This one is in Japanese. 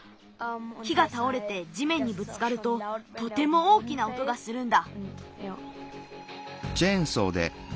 木がたおれてじめんにぶつかるととても大きな音がするんだ。